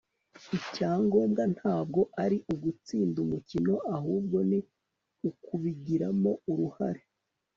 icyangombwa ntabwo ari ugutsinda umukino, ahubwo ni ukubigiramo uruhare